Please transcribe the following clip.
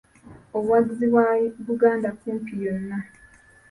Obuwagizi bwa Buganda kumpi yonna.